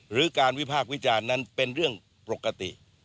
หรือการวิพากษ์วิจารณ์นั้นเป็นเรื่องปกติ